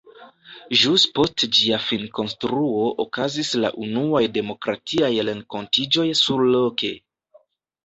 Ĵus post ĝia finkonstruo okazis la unuaj demokratiaj renkontiĝoj surloke!